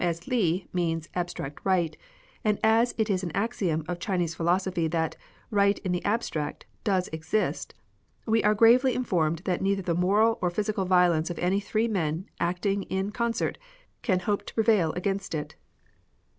Now as Li means " abstract right," and as it is an axiom of Chinese philosophy that *' right in the abstract " does exist, we are gravely informed that neither the moral or physical violence of any three men acting in con cert can hope to prevail against it.